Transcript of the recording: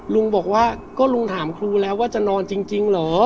ลุงบอกว่าก็ลุงถามครูแล้วว่าจะนอนจริงเหรอ